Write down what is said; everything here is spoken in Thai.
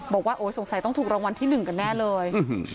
บอกว่าโอ้สงสัยต้องถูกรางวัลที่๑กันแน่เลย